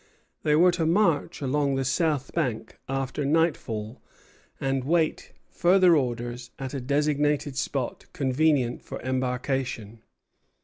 They were to march along the south bank, after nightfall, and wait further orders at a designated spot convenient for embarkation.